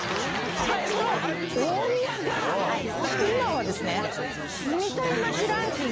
その大宮が今はですね。